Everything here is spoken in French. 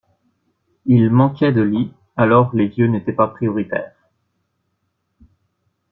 Ils manquaient de lits alors les vieux n'étaient pas prioritaies.